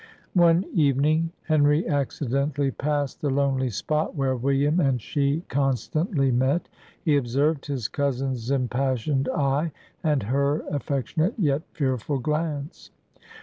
One evening Henry accidentally passed the lonely spot where William and she constantly met; he observed his cousin's impassioned eye, and her affectionate yet fearful glance.